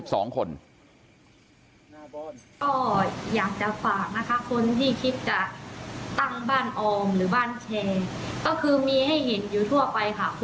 สองคนก็อยากจะฝากนะคะคนที่คิดจะตั้งบ้านออมหรือบ้านเชงก็คือมีให้เห็นอยู่ทั่วไปค่ะ